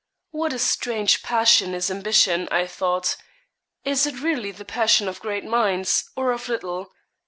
What a strange passion is ambition, I thought. Is it really the passion of great minds, or of little.